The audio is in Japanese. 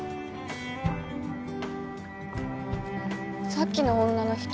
さっきの女の人。